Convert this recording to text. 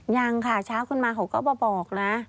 ยังค่ะเช้าขึ้นมาเขาก็มาบอกนะ